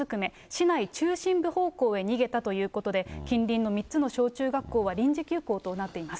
市内中心部方向に逃げたということで、近隣の３つの小中学校は臨時休校となっています。